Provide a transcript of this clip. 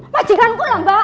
majikan gue lah mbak